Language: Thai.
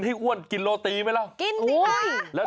ป้าเด